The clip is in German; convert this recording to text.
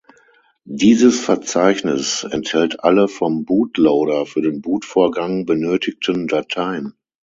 Dieses Verzeichnis enthält alle vom Bootloader für den Bootvorgang benötigten Dateien.